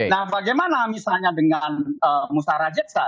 nah bagaimana misalnya dengan musa rajeksa